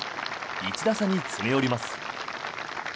１打差に詰め寄ります。